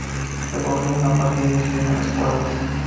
Recogería una parte de mis primeros poemas.